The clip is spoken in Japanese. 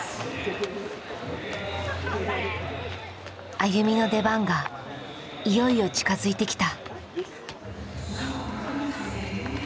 ＡＹＵＭＩの出番がいよいよ近づいてきた。